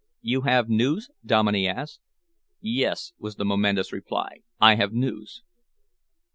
"You have news?" Dominey asked. "Yes," was the momentous reply, "I have news."